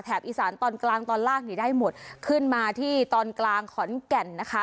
อีสานตอนกลางตอนล่างนี่ได้หมดขึ้นมาที่ตอนกลางขอนแก่นนะคะ